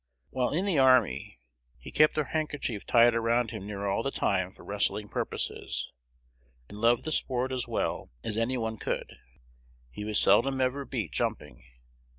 "] While in the army, he kept a handkerchief tied around him near all the time for wrestling purposes, and loved the sport as well as any one could. He was seldom ever beat jumping.